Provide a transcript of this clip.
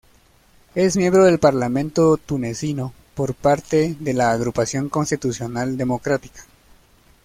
Es miembro del parlamento tunecino por parte de la Agrupación Constitucional Democrática.